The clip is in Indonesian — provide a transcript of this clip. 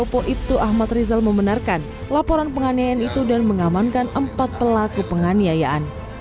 polres palopo ibtu ahmad rizal membenarkan laporan penganyayaan itu dan mengamankan empat pelaku penganyayaan